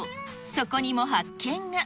そこにも発見が。